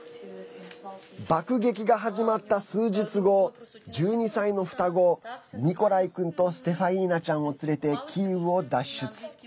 爆撃が始まった数日後１２歳の双子、ミコライ君とステファイナちゃんを連れてキーウを脱出。